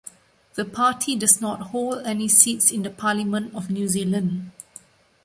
The party does not hold any seats in the Parliament of New Zealand.